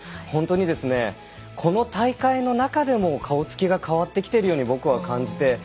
本当に、この大会の中でも顔つきが変わってきているように僕は感じて